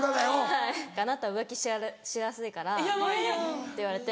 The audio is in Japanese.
「あなた浮気しやすいから」って言われて。